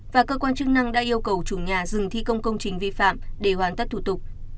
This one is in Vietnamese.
và cơ quan chức năng đã yêu cầu chủ nhà dừng thi công công trình vi phạm để hoàn tất thủ tục